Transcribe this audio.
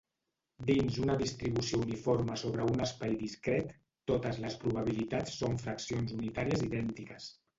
Dins una distribució uniforme sobre un espai discret, totes les probabilitats són fraccions unitàries idèntiques.